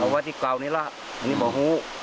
ว่าที่เก่านี้ล่ะนี่บอกหู้